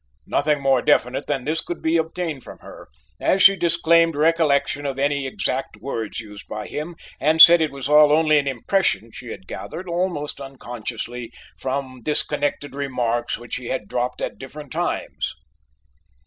Nothing more definite than this could be obtained from her, as she disclaimed recollection of any exact words used by him, and said it was all only an impression she had gathered almost unconsciously from disconnected remarks which he had dropped at different times.